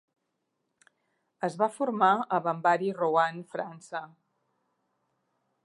Es va formar a Bambari i Rouen, França.